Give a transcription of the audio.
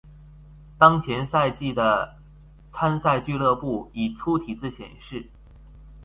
当前赛季的参赛俱乐部以粗体字显示。